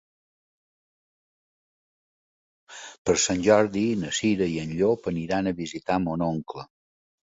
Per Sant Jordi na Cira i en Llop aniran a visitar mon oncle.